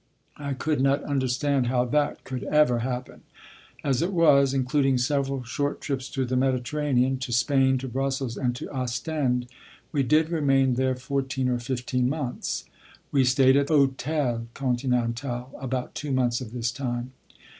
I could not understand how that could ever happen. As it was, including several short trips to the Mediterranean, to Spain, to Brussels, and to Ostend, we did remain there fourteen or fifteen months. We stayed at the Hôtel Continental about two months of this time.